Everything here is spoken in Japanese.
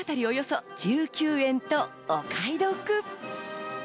およそ１９円とお買い得。